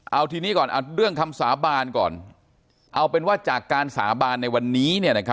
เอาทีนี้ก่อนเอาเรื่องคำสาบานก่อนเอาเป็นว่าจากการสาบานในวันนี้